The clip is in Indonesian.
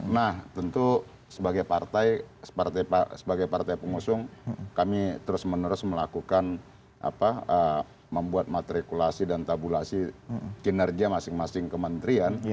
nah tentu sebagai partai pengusung kami terus menerus melakukan membuat matrikulasi dan tabulasi kinerja masing masing kementerian